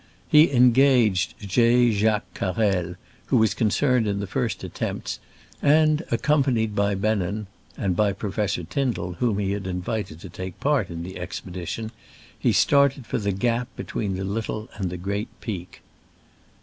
He engaged J. Jacques Carrel, who was concerned in the first attempts, and, accompanied by Bennen (and by Pro J. J. BENNEN (1863). fessor Tyndall, whom he had invited to take part in the expedition), he started for the gap between the little and the great peak.